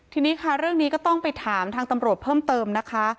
ทีนี้ค่ะเรื่องนี้ก็ต้องไปถามทางตำรวจเพิ่มเติมนะคะ